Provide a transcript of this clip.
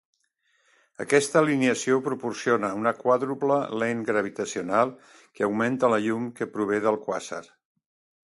Aquesta alineació proporciona una quàdruple lent gravitacional que augmenta la llum que prové del quàsar.